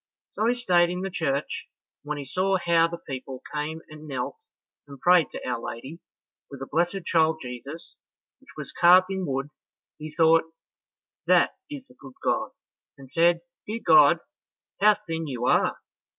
So he stayed in the church, and when he saw how the people came and knelt and prayed to Our Lady with the blessed child Jesus which was carved in wood, he thought "that is the good God," and said, "Dear God, how thin you are!